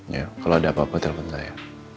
ya kalau ada apa apa telepon saya